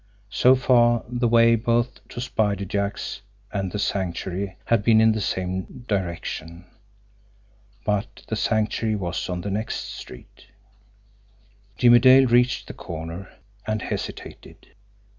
So far, the way both to Spider Jack's and the Sanctuary had been in the same direction but the Sanctuary was on the next street. Jimmie Dale reached the corner and hesitated.